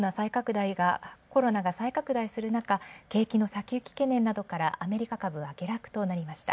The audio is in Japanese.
コロナが再拡大する中、景気の先行き懸念などからアメリカ株は下落となりました。